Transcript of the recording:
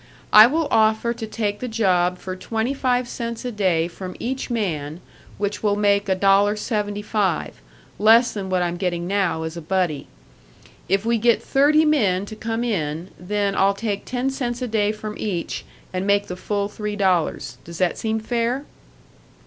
I will offer to take the job for twenty five cents a day from each man, which will make a dollar seventy five, less than what I'm getting now as a buddy. If we get thirty men to come in, then I'll take ten cents a day from each, and make the full three dollars. Does that seem fair?"